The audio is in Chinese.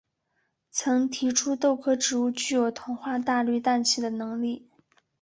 曾提出豆科植物具有同化大气氮气的能力。